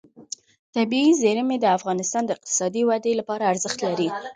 طبیعي زیرمې د افغانستان د اقتصادي ودې لپاره ارزښت لري.